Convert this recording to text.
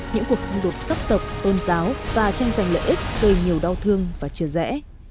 những cuộc xung đột xấp tập tôn giáo và tranh giành lợi ích gây nhiều đau thương và chưa rẽ